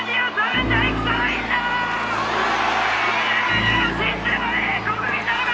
我々は死んでもいい国民なのか！